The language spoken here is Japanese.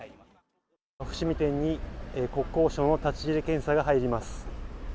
伏見店に国交省の立ち入り検査が入ります。